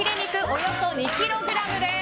およそ２ｋｇです！